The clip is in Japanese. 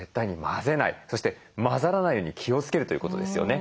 そして混ざらないように気をつけるということですよね。